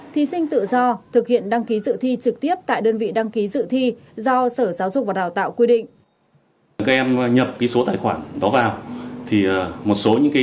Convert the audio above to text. thí sinh tự do thực hiện đăng ký dự thi trực tiếp tại đơn vị đăng ký dự thi do sở giáo dục và đào tạo quy định